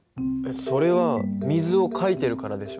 それは水をかいてるからでしょ。